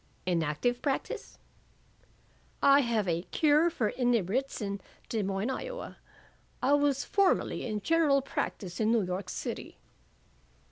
"In active practise?" "I have a Cure for Inebriates in Des Moines, Iowa. I was formerly in general practise in New York City."